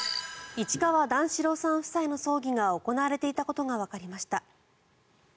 市川段四郎さん夫妻の葬儀が行われていたことがわかりました。